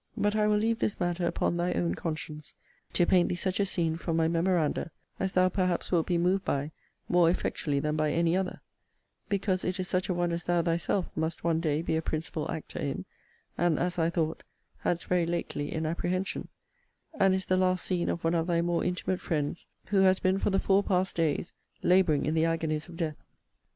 But I will leave this matter upon thy own conscience, to paint thee such a scene from my memoranda, as thou perhaps wilt be moved by more effectually than by any other: because it is such a one as thou thyself must one day be a principal actor in, and, as I thought, hadst very lately in apprehension: and is the last scene of one of thy more intimate friends, who has been for the four past days labouring in the agonies of death.